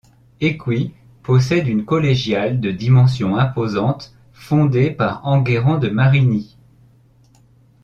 Écouis possède une collégiale de dimensions imposantes fondée par Enguerrand de Marigny.